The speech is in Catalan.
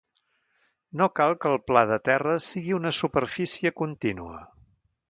No cal que el pla de terra sigui una superfície contínua.